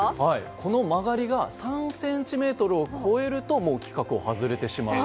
この曲がりが３ｃｍを超えるともう規格を外れてしまうと。